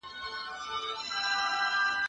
سبزیجات وچ کړه